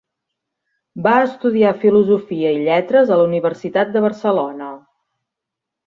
Va estudiar Filosofia i Lletres a la Universitat de Barcelona.